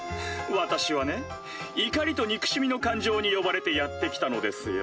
私はね怒りと憎しみの感情に呼ばれてやって来たのですよ。